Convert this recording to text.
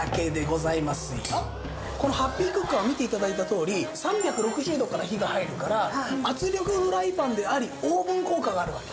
このハッピークッカーは見て頂いたとおり３６０度から火が入るから圧力フライパンでありオーブン効果があるわけ。